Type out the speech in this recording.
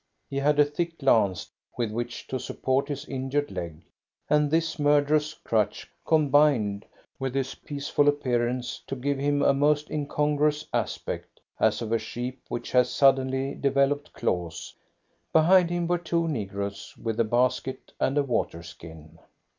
He had a thick lance with which to support his injured leg, and this murderous crutch combined with his peaceful appearance to give him a most incongruous aspect as of a sheep which has suddenly developed claws. Behind him were two negroes with a basket and a water skin.